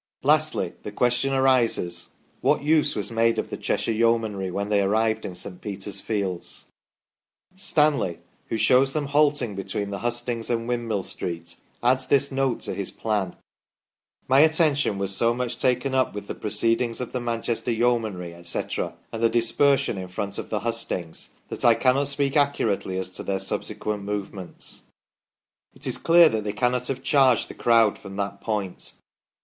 Lastly, the question arises : What use was made of the Cheshire Yeomanry when they arrived in St. Peter's fields ? Stanley, who shows them halting between the hustings and Windmill Street, adds 40 THE STORY OF PETERLOO this note to his plan :" My attention was so much taken up with the proceedings of the Manchester Yeomanry, etc., and the dispersion in front of the hustings, that I cannot speak accurately as to their subse quent movements". It is clear that they cannot have charged the crowd from that point.